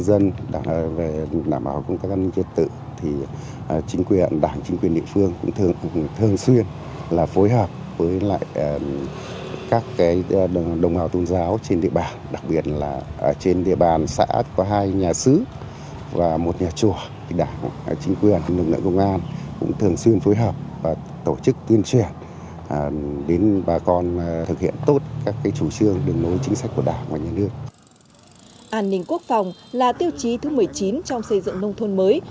an ninh quốc phòng là tiêu chí thứ một mươi chín trong xây dựng nông thôn mới